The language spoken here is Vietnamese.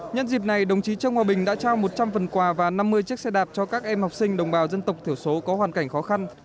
nhân dịp này đồng chí trương hòa bình đã trao một trăm linh phần quà và năm mươi chiếc xe đạp cho các em học sinh đồng bào dân tộc thiểu số có hoàn cảnh khó khăn